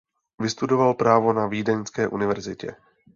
Vystudoval právo na Vídeňské univerzitě.